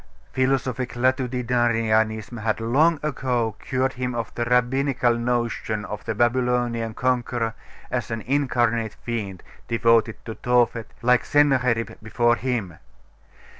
Philosophic latitudinarianism had long ago cured him of the Rabbinical notion of the Babylonian conqueror as an incarnate fiend, devoted to Tophet, like Sennacherib before him.